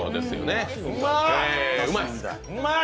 うまい？